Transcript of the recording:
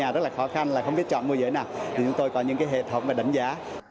thì chúng tôi có những hệ thống và đánh giá